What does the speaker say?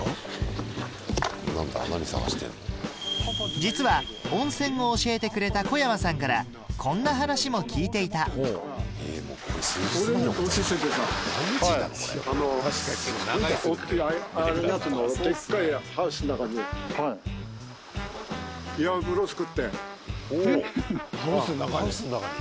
実は温泉を教えてくれた小山さんからこんな話も聞いていたえっ！